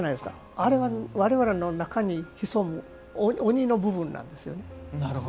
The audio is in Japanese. あれは、我々の中に潜む鬼の部分なんですよね。